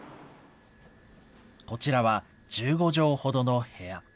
こちらは、１５畳ほどの部屋。